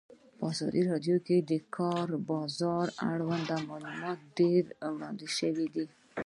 په ازادي راډیو کې د د کار بازار اړوند معلومات ډېر وړاندې شوي.